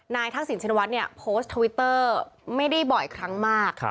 ทักษิณชินวัฒน์เนี่ยโพสต์ทวิตเตอร์ไม่ได้บ่อยครั้งมาก